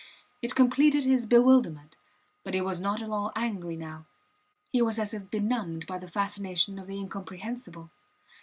It completed his bewilderment, but he was not at all angry now. He was as if benumbed by the fascination of the incomprehensible.